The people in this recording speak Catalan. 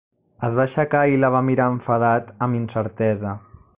Es va aixecar i la va mirar enfadat, amb incertesa.